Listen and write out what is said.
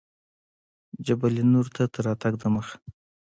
جبل النور ته تر راتګ دمخه.